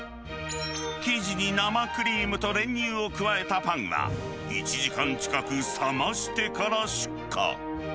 生地に生クリームと練乳を加えたパンは、１時間近く冷ましてから出荷。